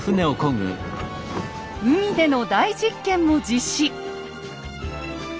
海での大実験も実施！